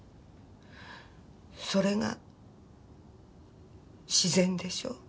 それが自然でしょ。